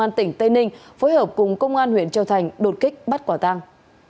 công an tỉnh tây ninh phối hợp cùng công an huyện châu thành đột kích bắt quả tăng